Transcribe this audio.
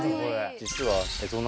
実は。